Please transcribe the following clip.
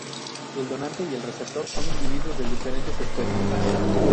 El donante y el receptor son individuos de diferentes especies.